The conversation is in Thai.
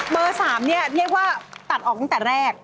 เบอร์๓นี่เทียบว่าตัดออกตั้งแต่แรก